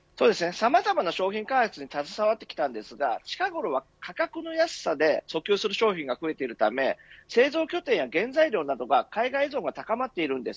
さまざまな商品開発に携わってきたんですが近頃は価格の安さで訴求する商品が増えているため製造拠点や原材料などが海外依存に高まっています。